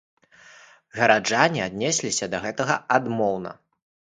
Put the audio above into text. Гараджане аднесліся да гэтага адмоўна.